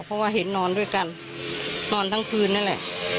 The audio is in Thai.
เพราะว่าเห็นนอนด้วยกันนอนทั้งคืนนั่นแหละ